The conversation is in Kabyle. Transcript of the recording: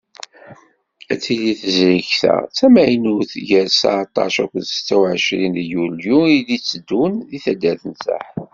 Ad tili tezrigt-a tamaynut, gar seεṭac ar setta u εecrin deg yulyu i d-itteddun deg taddart n Saḥel.